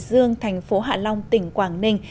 đại dương thành phố hạ long tỉnh quảng ninh